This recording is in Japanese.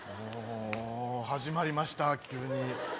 始まりました急に。